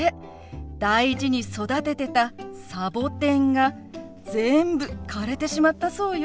大事に育ててたサボテンが全部枯れてしまったそうよ。